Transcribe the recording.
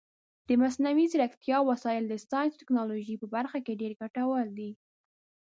د مصنوعي ځیرکتیا وسایل د ساینس او ټکنالوژۍ په برخه کې ډېر ګټور دي.